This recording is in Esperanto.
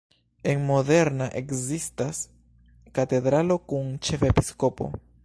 En Modena ekzistas katedralo kun ĉefepiskopo.